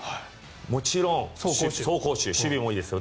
もちろん走攻守守備もいいですよ。